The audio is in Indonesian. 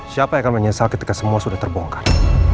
siapa yang akan menyesal ketika semua sudah terbongkar